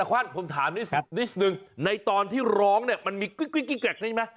อ่ะควั้นผมถามคำนิดนึงในตอนที่ร้องเนี้ยมันมีกริ๊กกริ๊กแกวะอย่างนี้ไหม